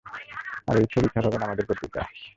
আর এই ছবিই ছাপাবেন আপনার পত্রিকায়।